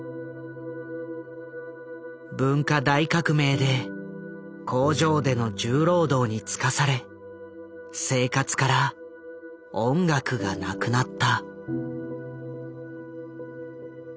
文化大革命で工場での重労働に就かされ生活から音楽がなくなった。